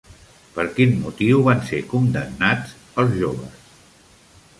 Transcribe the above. Per quin motiu van ser condemnats els joves?